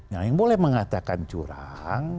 nah yang boleh mengatakan curang